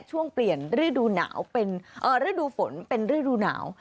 ช่วงเปลี่ยนฤดูหนาวเป็นฤดูฝนเป็นฤดูหนาว